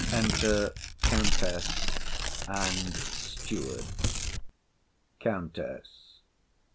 Enter Countess and Steward. COUNTESS.